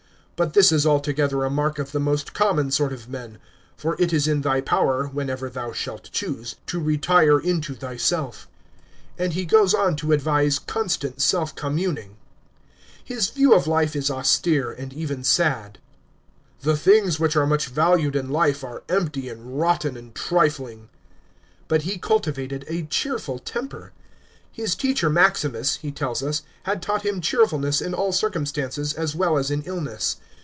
But this is altogether a mark of the most common sort of men, for it is in thy power, whenever thou shalt choose, to retire into thyself; " and he goes on to advise constant self communing 161 180 A.D. THE PHILOSOPHER ON THE THEONE. 535 His view of life is austere and even sad. " The things which are much valued in life are empty and rotten and trifling." But be cultivated a cheerful temf>er. His teacher Maximus, he tells us, had taught him cheerfulness in all circumstances as well as in illness.